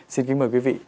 xin kính mời quý vị